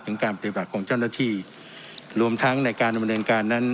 การปฏิบัติของเจ้าหน้าที่รวมทั้งในการดำเนินการนั้น